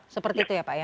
seperti itu ya pak ya